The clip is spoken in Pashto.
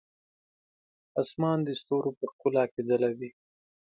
اسمان د ستورو په ښکلا کې ځلوي.